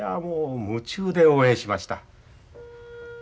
もう夢中で応援しました。